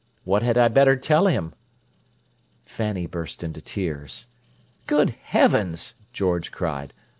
What had I better tell him?" Fanny burst into tears. "Good heavens!" George cried.